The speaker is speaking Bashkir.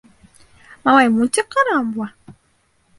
— Малай мультик ҡараған була?